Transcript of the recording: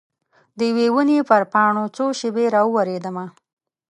د یوي ونې پر پاڼو څو شیبې را اوریدمه